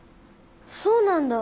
そうなんだ。